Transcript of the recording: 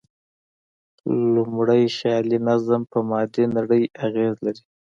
لومړی، خیالي نظم په مادي نړۍ اغېز لري.